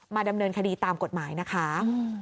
ดำเนินคดีตามกฎหมายนะคะ